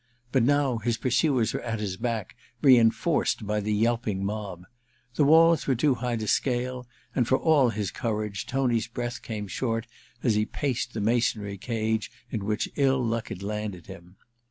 But now his pursuers were at his back, reinforced by the yelping mob. The walls were too high to scale, and for all his courage Tony's breath came short as he paced the masonry cage in which ill luck had landed him.